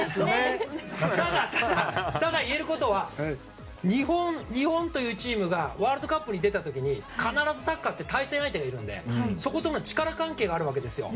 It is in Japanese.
ただ言えることは日本というチームがワールドカップに出た時に必ずサッカーって対戦相手がいるのでそことの力関係があるわけですよ。